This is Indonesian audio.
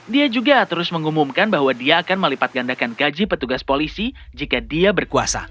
dia juga terus mengumumkan bahwa dia akan melipat gandakan gaji petugas polisi jika dia berkuasa